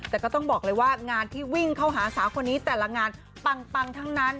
แต่ก็ต้องบอกเลยว่างานที่วิ่งเข้าหาสาวคนนี้แต่ละงานปังทั้งนั้น